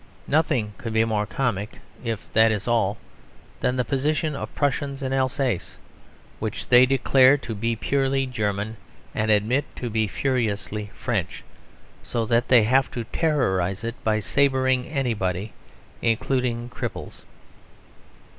Nothing could be more comic, if that is all, than the position of Prussians in Alsace: which they declare to be purely German and admit to be furiously French; so that they have to terrorise it by sabring anybody, including cripples.